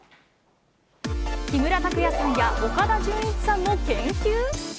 木村拓哉さんや岡田准一さんも研究？